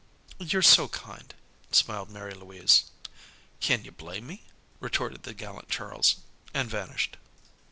"You're so kind," smiled Mary Louise. "Kin you blame me?" retorted the gallant Charles. And vanished.